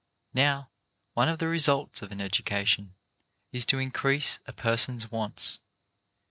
Now, one of the results of an education is to increase a person's wants.